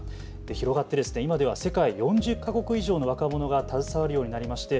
広がって今では世界４０か国以上の若者が携わるようになりました。